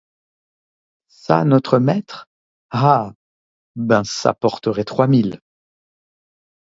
Ça, notre maître? ha! ben, ça porterait trois mille.